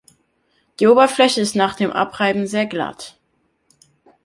Die Oberfläche ist nach dem Abreiben sehr glatt.